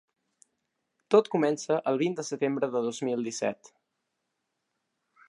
Tot comença el vint de setembre de dos mil disset.